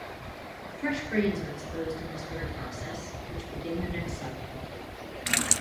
Fresh grains are exposed in this wear process, which begin the next cycle.